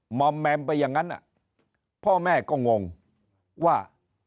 หมอมแมมไปอย่างนั้นพ่อแม่ก็งงว่า